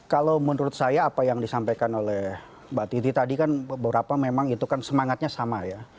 kalau menurut saya apa yang disampaikan oleh mbak titi tadi kan beberapa memang itu kan semangatnya sama ya